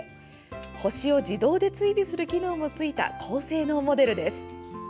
星を自動で追尾する機能も付いた高性能モデルです。